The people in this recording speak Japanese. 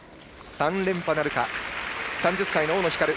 ３連覇なるか３０歳の大野ひかる。